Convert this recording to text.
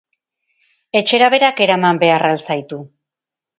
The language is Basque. Etxera berak eraman behar al zaitu?